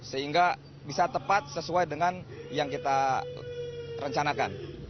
sehingga bisa tepat sesuai dengan yang kita rencanakan